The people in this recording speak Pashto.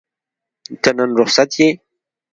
ته نن رخصت یې؟